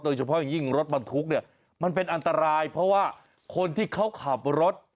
โดยเฉพาะอย่างยิ่งรถบรรทุกเนี่ยมันเป็นอันตรายเพราะว่าคนที่เขาขับรถ